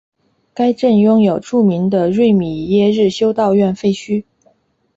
该镇拥有著名的瑞米耶日修道院废墟。